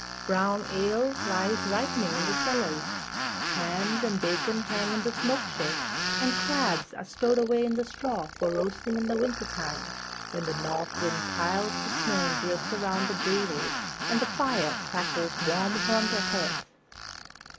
Brown ale lies ripening in the cellar, hams and bacon hang in the smoke shed, and crabs are stowed away in the straw for roasting in the wintertime, when the north wind piles the snow in drifts around the gables and the fire crackles warm upon the hearth.